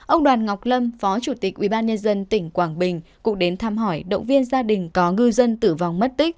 ông đoàn ngọc lâm phó chủ tịch ubnd tỉnh quảng bình cũng đến thăm hỏi động viên gia đình có ngư dân tử vong mất tích